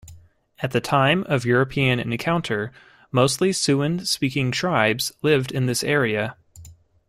At the time of European encounter, mostly Siouan-speaking tribes lived in this area.